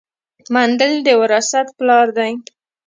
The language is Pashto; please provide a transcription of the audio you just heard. مندل د وراثت پلار دی